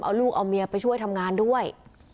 เอาลูกเอาเมียไปช่วยทำงานด้วย